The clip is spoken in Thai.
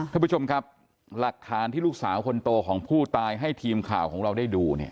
ท่านผู้ชมครับหลักฐานที่ลูกสาวคนโตของผู้ตายให้ทีมข่าวของเราได้ดูเนี่ย